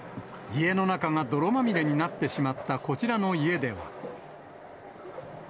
家の中が泥まみれになってしまったこちらの家では。